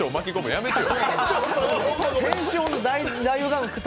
やめてよ。